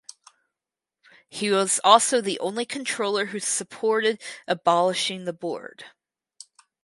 He was also the only controller who supported abolishing the board.